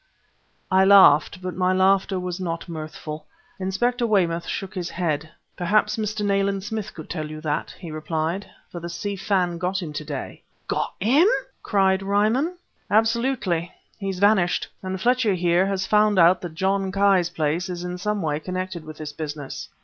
I laughed, but my laughter was not mirthful. Inspector Weymouth shook his head. "Perhaps Mr. Nayland Smith could tell you that," he replied; "for the Si Fan got him to day!" "Got him!" cried Ryman. "Absolutely! He's vanished! And Fletcher here has found out that John Ki's place is in some way connected with this business."